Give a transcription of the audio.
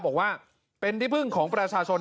บอกว่าเป็นที่พึ่งของประชาชน